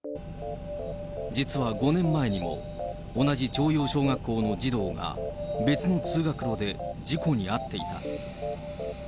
実は５年前にも、同じ朝陽小学校の児童が、別の通学路で事故に遭っていた。